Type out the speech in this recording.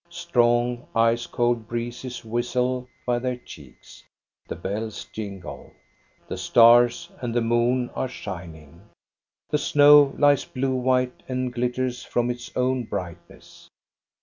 Strong, ice cold breezes whistle by their cheeks. The bells jingle. The stars and the moon are shining. The snow lies blue white and glitters from its own brightness.